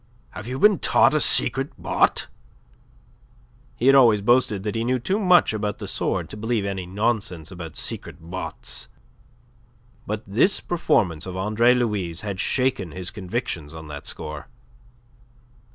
"Have you been taught a secret botte?" He had always boasted that he knew too much about the sword to believe any nonsense about secret bottes; but this performance of Andre Louis' had shaken his convictions on that score.